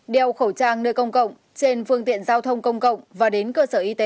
đeo khẩu trang nơi công cộng trên phương tiện giao thông công cộng và đến cơ sở y tế